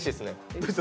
どうした？